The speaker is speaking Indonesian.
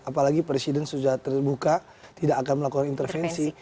apalagi presiden sudah terbuka tidak akan melakukan intervensi